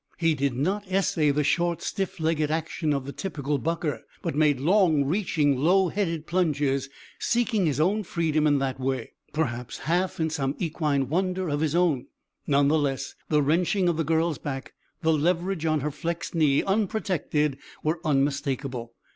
He did not yet essay the short, stiff legged action of the typical bucker, but made long, reaching, low headed plunges, seeking his own freedom in that way, perhaps half in some equine wonder of his own. None the less the wrenching of the girl's back, the leverage on her flexed knee, unprotected, were unmistakable.